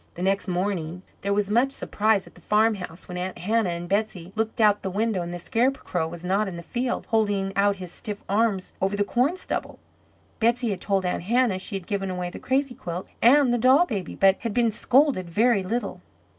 The next morning there was much surprise at the farmhouse, when Aunt Hannah and Betsey looked out of the window and the Scarecrow was not in the field holding out his stiff arms over the corn stubble. Betsey had told Aunt Hannah she had given away the crazy quilt and the doll baby, but had been scolded very little.